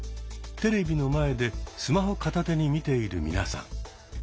テレビの前でスマホ片手に見ている皆さん。